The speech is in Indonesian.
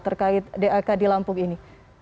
terkait dak di lampung ini